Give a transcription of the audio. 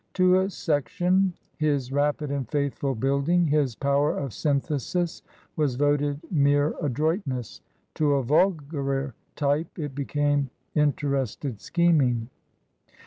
To a section his rapid and faithful building, his power of synthesis, was voted mere adroitness; to a vulgarer type it became inter ested scheming.